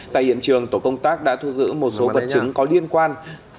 tại hiện trường tổ công tác đã thu giữ một số vật chứng có liên quan